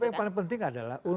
tapi yang paling penting adalah